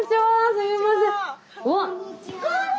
すみません。